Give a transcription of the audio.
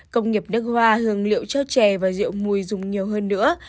công nghiệp nước hoa hương liệu cho chè và rượu mùi dùng nhiều hơn nữa